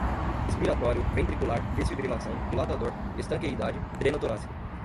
expiratório, ventricular, desfibrilação, dilatador, estanqueidade, dreno torácico